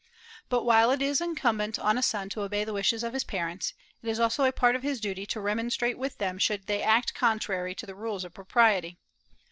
But while it is incumbent on a son to obey the wishes of his parents, it is also a part of his duty to remonstrate with them should they act contrary to the rules of propriety.